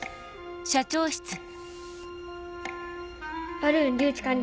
バルーン留置完了。